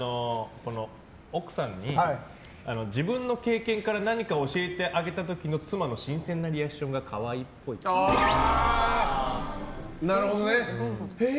奥さんに自分の経験から何か教えてあげた時の妻の新鮮なリアクションが可愛いっぽい。へえ！